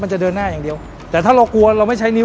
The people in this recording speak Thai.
จะเดินหน้าอย่างเดียวแต่ถ้าเรากลัวเราไม่ใช้นิ้